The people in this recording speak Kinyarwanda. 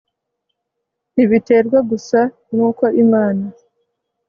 ntibiterwa gusa n'uko imana